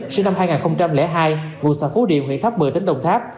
sinh năm hai nghìn hai ngụ xã phú điền huyện tháp mười tỉnh đồng tháp